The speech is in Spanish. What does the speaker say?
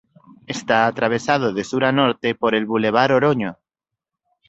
Está atravesado de sur a norte por el Bulevar Oroño.